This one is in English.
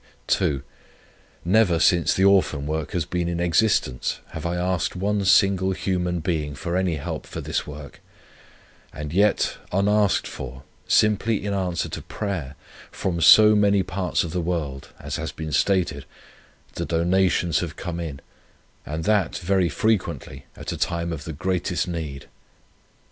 "2. Never since the Orphan work has been in existence have I asked one single human being for any help for this work; and yet, unasked for, simply in answer to prayer, from so many parts of the world, as has been stated, the donations have come in, and that very frequently at a time of the greatest need."